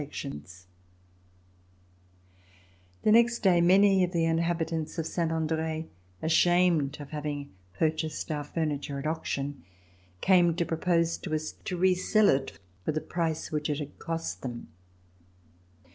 RECOLLECTIONS OF THE REVOLUTION The next day many of the inhabitants of Saint Andre, ashamed of having purchased our furniture at auction, came to propose to us to re sell it for the price which it had cost them.